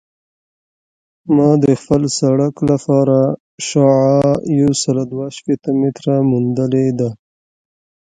ما د خپل سرک لپاره شعاع یوسل دوه شپیته متره موندلې ده